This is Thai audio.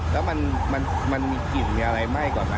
แล้วมันมีกลิ่มอะไรไม่อะ